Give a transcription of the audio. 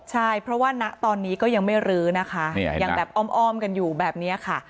ใช่เพราะว่าณตอนนี้ก็ยังไม่รื้อนะคะยังแบบอ้อมกันอยู่แบบนี้ค่ะ